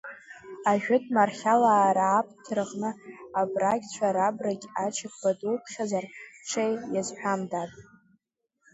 Ажәытә Мархьалаа рааԥҭраҟны абрагьцәа-рабрагь Ачыгба дуԥхьазар, ҽеи иазҳәам, дад!